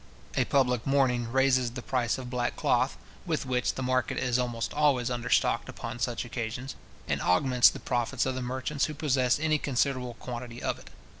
A public mourning raises the price of black cloth (with which the market is almost always understocked upon such occasions), and augments the profits of the merchants who possess any considerable quantity of it.